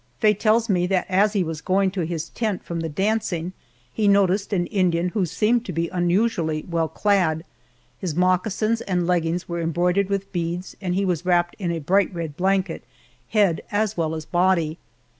Faye tells me that as he was going to his tent from the dancing, he noticed an Indian who seemed to be unusually well clad, his moccasins and leggings were embroidered with beads and he was wrapped in a bright red blanket, head as well as body.